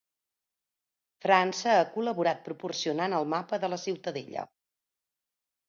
França ha col·laborat proporcionant el mapa de la ciutadella.